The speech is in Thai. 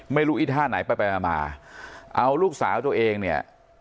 ไม่รู้อิทธาตุไหนไปไปมาเอาลูกสาวตัวเองเนี้ย